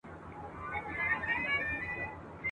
ادبي محفلونو کي یې شعرونه لوستل ..